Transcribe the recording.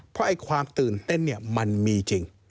เพราะความตื่นเต้นมันมีจริง